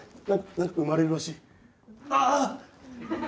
何か生まれるらしいああっ！